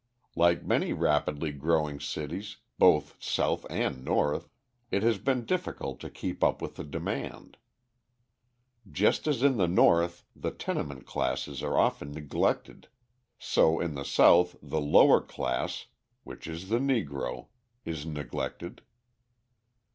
Like many rapidly growing cities, both South and North, it has been difficult to keep up with the demand. Just as in the North the tenement classes are often neglected, so in the South the lowest class which is the Negro is neglected.